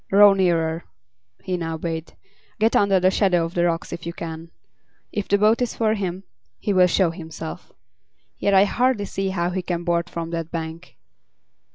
"Row nearer," he now bade. "Get under the shadow of the rocks if you can. If the boat is for him, he will show himself. Yet I hardly see how he can board from that bank."